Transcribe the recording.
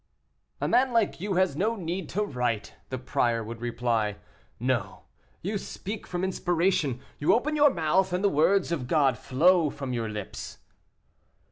"A man like you has no need to write," the prior would reply. "No, you speak from inspiration; you open your mouth, and the words of God flow from your lips."